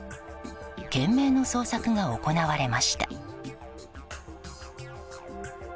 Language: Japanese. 懸命の捜索が行われました。